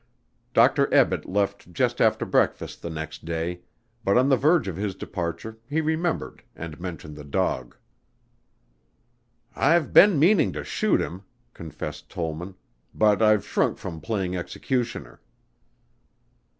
Dr. Ebbett left just after breakfast the next day, but on the verge of his departure he remembered and mentioned the dog. "I've been meaning to shoot him," confessed Tollman, "but I've shrunk from playing executioner."